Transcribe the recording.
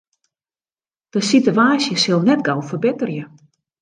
De sitewaasje sil net gau ferbetterje.